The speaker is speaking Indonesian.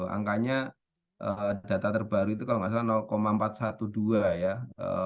angkanya data terbaru itu kalau nggak salah empat ratus dua belas ya